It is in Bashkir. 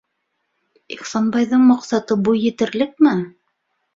Ихсанбайҙың маҡсаты буй етерлекме?